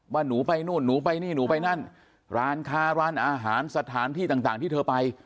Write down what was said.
หนูไปนู่นหนูไปนี่หนูไปนั่นร้านค้าร้านอาหารสถานที่ต่างที่เธอไป